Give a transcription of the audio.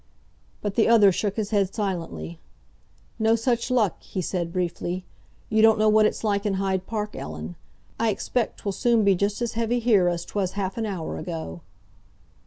But the other shook his head silently. "No such luck!" he said briefly. "You don't know what it's like in Hyde Park, Ellen. I expect 'twill soon be just as heavy here as 'twas half an hour ago!"